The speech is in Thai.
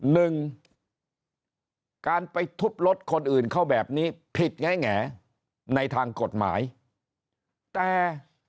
หนึ่งการไปทุบรถคนอื่นเขาแบบนี้ผิดแงในทางกฎหมายแต่